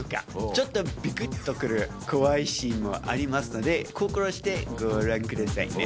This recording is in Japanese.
ちょっとびくっとくる怖いシーンもありますので心してご覧くださいね。